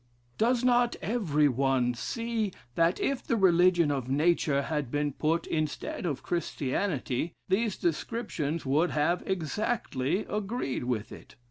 "Does not every one see, that if the religion of nature had been put instead of Christianity, these descriptions would have exactly agreed with it?